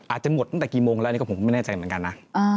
อาจจะหมดตั้งแต่กี่โมงแล้วนี่ก็ผมก็ไม่แน่ใจเหมือนกันนะ